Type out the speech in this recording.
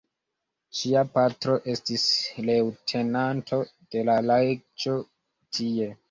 Ŝia patro estis leŭtenanto de la reĝo tie.